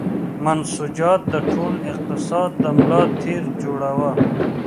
منسوجات د ټول اقتصاد د ملا تیر جوړاوه.